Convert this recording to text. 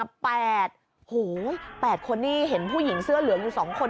โอ้โห๘คนนี่เห็นผู้หญิงเสื้อเหลืองอยู่๒คน